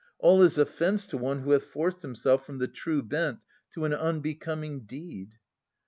All is offence to one who hath forced himself From the true bent to an unbecoming deed.